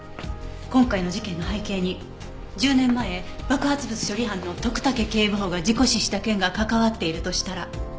今回の事件の背景に１０年前爆発物処理班の徳武警部補が事故死した件が関わっているとしたら。